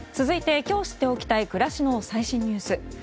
続いて今日知っておきたい暮らしの最新ニュース。